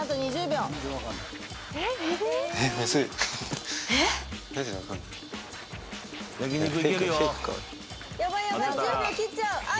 １０秒切っちゃうあ